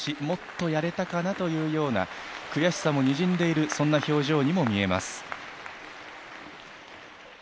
もっとやれたかなというような悔しさもにじんでいるそんな表情にも見えます。